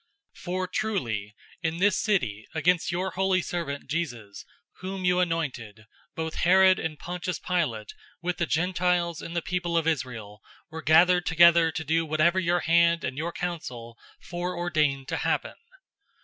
'{Psalm 2:1 2} 004:027 "For truly, in this city against your holy servant, Jesus, whom you anointed, both Herod and Pontius Pilate, with the Gentiles and the people of Israel, were gathered together 004:028 to do whatever your hand and your council foreordained to happen.